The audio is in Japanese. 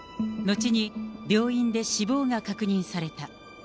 後に病院で死亡が確認された。